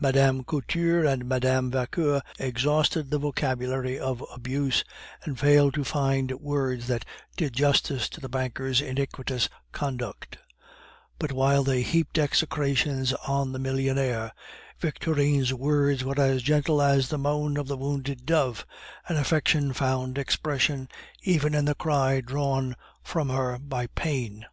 Mme. Couture and Mme. Vauquer exhausted the vocabulary of abuse, and failed to find words that did justice to the banker's iniquitous conduct; but while they heaped execrations on the millionaire, Victorine's words were as gentle as the moan of the wounded dove, and affection found expression even in the cry drawn from her by pain.